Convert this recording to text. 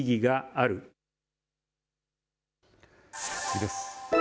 次です。